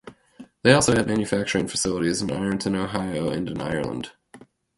They also had manufacturing facilities in Ironton, Ohio and in Ireland.